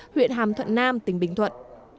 huyện hàm thuận nam tỉnh bình thuận